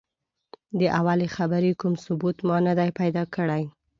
د اولې خبرې کوم ثبوت ما نه دی پیدا کړی.